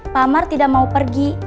pak mar tidak mau pergi